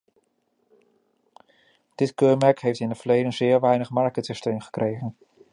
Dit keurmerk heeft in het verleden zeer weinig marketingsteun gekregen.